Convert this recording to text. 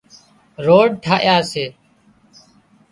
روڊ ٺاهيا سي